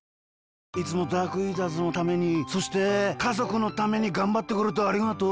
いつもダークイーターズのためにそしてかぞくのためにがんばってくれてありがとう。